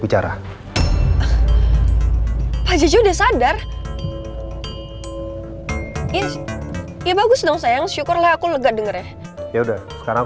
bicara aja sudah sadar ya bagus dong sayang syukurlah aku lega dengernya ya udah sekarang